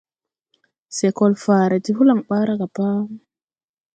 Se kol faare ti holaŋ ɓaara ga pa.